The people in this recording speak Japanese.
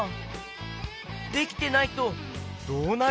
できてないとどうなるとおもう？